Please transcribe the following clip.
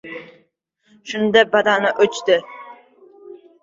Shunda, badani uchdi.